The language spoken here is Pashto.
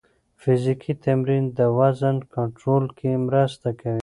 فزیکي تمرین د وزن کنټرول کې مرسته کوي.